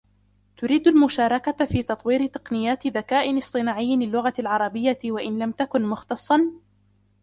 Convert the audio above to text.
تريد المشاركة في تطوير تقنيات ذكاء اصطناعي للغة العربية و ان لم تكن مختصا